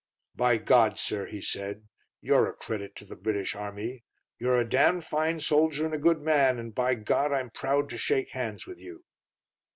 "By God! sir," he said, "you're a credit to the British Army; you're a damned fine soldier and a good man, and, by God! I'm proud to shake hands with you."